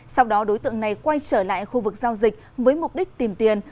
sau đó đối tượng này quay trở lại khu vực giao dịch với mục đích tìm tiền